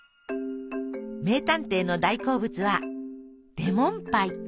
名探偵の大好物はレモンパイ。